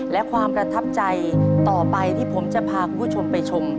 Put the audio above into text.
และความประทับใจต่อไปที่ผมจะพาคุณผู้ชมไปชม